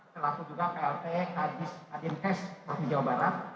terlaku juga plt kadintes jawa barat